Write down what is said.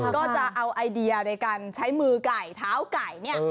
ก็จะเอาไอเดียในการใช้มือไก่เท้าไก่เนี่ย